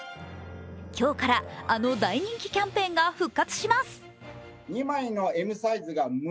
今日から、あの大人気キャンペーンが復活します。